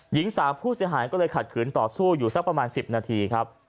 หญิงสาวผู้เสียหายก็เลยขัดขืนต่อสู้อยู่สักประมาณ๑๐นาทีครับ